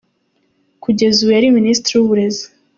- Kugeza ubu yari Minisitiri w’Uburezi.